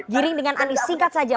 giring dengan anies singkat saja